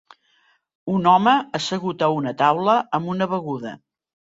Un home assegut a una taula amb una beguda.